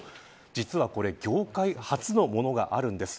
実はこれ業界初のものがあるんです。